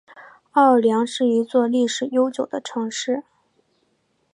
奥尔良是一座历史悠久的城市。